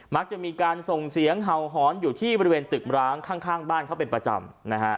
มักจะมีการส่งเสียงเห่าหอนอยู่ที่บริเวณตึกร้างข้างบ้านเขาเป็นประจำนะฮะ